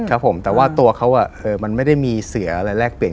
ครับผมแต่ว่าตัวเขามันไม่ได้มีเสืออะไรแลกเปลี่ยน